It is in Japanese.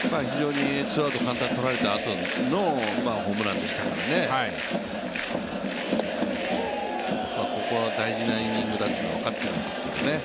非常にツーアウト簡単にとられたあとのホームランでしたからね、ここは大事なイニングだというのは分かってるんですけどね。